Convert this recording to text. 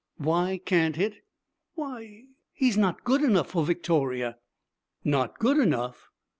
'Why can't it?' 'Why, he's not good enough for Victoria.' 'Not good enough?